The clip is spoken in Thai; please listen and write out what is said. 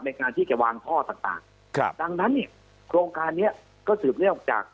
ในการที่จะวางท่อต่างดังนั้นเนี่ยโครงการเนี่ยก็สืบเลี่ยวจาก